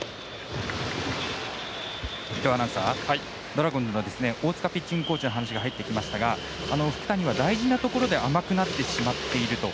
ドラゴンズの大塚ピッチングコーチの話が入ってきましたが福谷は大事なところで甘くなってしまっていると。